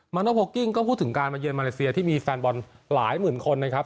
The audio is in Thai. โนโพลกิ้งก็พูดถึงการมาเยือนมาเลเซียที่มีแฟนบอลหลายหมื่นคนนะครับ